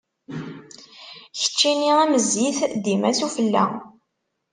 Keččini am zzit, dima s ufella.